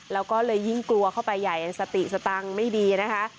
แล้วก็เลยยิ่งกลัวเข้าไปใหญ่สติสตังค์ไม่ดีนะคะ